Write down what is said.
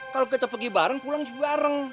kalau kita pergi bareng pulang sih bareng